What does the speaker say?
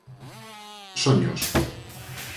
Soños.